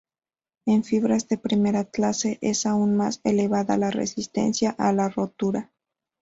En fibras de primera clase es aún más elevada la resistencia a la rotura.